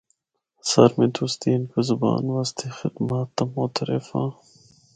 سر میں تسدی ہندکو زبان واسطے خدمات دا معترف ہاں۔